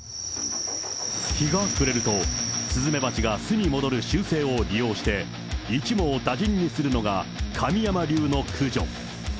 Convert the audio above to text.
日が暮れると、スズメバチが巣に戻る習性を利用して、一網打尽にするのが神山流の駆除。